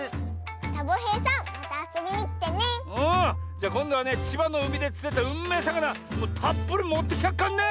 じゃこんどはねちばのうみでつれたうんめえさかなたっぷりもってきてやっからね！